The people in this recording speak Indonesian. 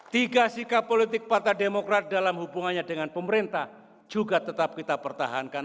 tiga sikap politik partai demokrat dalam hubungannya dengan pemerintah juga tetap kita pertahankan